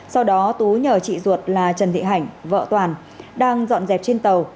sau đó tú nhờ chị ruột là trần thị hạnh vợ toàn đang dọn dẹp trên tàu